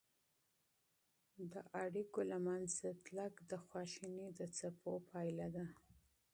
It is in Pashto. د اړیکو خرابوالی د غوسې د څپو پایله ده.